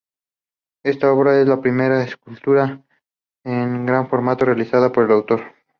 Esta obra es la primera escultura en gran formato realizada por el autor.